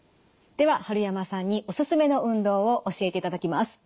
では春山さんにおすすめの運動を教えていただきます。